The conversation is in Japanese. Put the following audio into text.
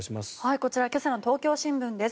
こちら今朝の東京新聞です。